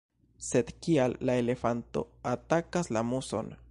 Sed kial la elefanto atakas la muson?